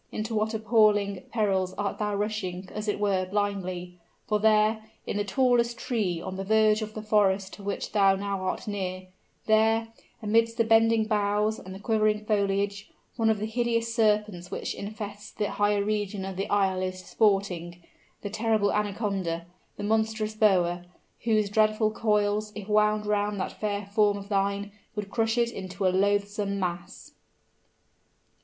into what appalling perils art thou rushing, as it were, blindly? For there, in the tallest tree on the verge of the forest to which thou now art near, there, amidst the bending boughs and the quivering foliage one of the hideous serpents which infest the higher region of the isle is disporting the terrible anaconda the monstrous boa, whose dreadful coils, if wound round that fair form of thine, would crush it into a loathsome mass!